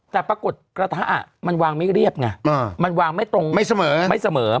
แต่ปรากฏกระทะมันวางไม่เรียบไงมันวางไม่ตรงไม่เสมอไม่เสมอ